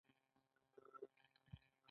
کله چې غنم په لوړه بیه تولید شي